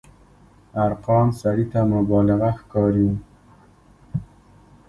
ارقام سړي ته مبالغه ښکاري.